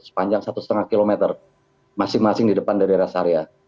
sepanjang satu lima km masing masing di depan dari rest area